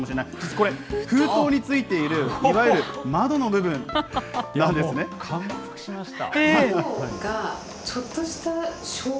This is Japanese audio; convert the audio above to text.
これ、封筒に付いているいわゆる感服しました。